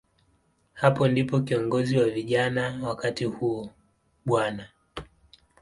Hapo ndipo kiongozi wa vijana wakati huo, Bw.